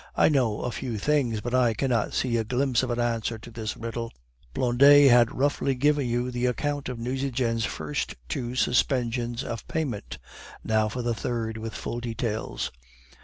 "I know a few things, but I cannot see a glimpse of an answer to this riddle." "Blondet has roughly given you the account of Nucingen's first two suspensions of payment; now for the third, with full details.